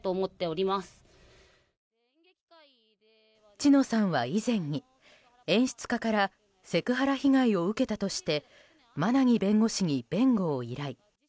知乃さんは以前に演出家からセクハラ被害を受けたとして馬奈木弁護士に弁護を依頼。